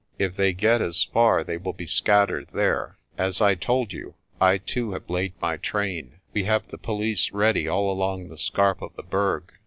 If they get as far, they will be scattered there. As I told you, I too have laid my train. We have the police ready all along the scarp of the Berg.